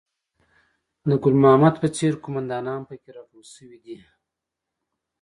د ګل محمد په څېر قوماندانان په کې راټول شوي دي.